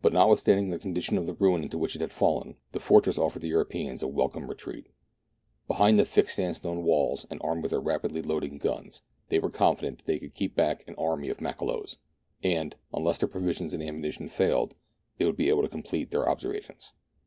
But notwithstanding the condition of ruin into which it had fallen, the fortress offered the Europeans a welcome retreat. Behind the thick sandstone walls, and armed with their rapidly loading guns, they were confident that they could keep back an army of Makololos, and, unless their provisions and ammunition failed, they would be able to complete their observations.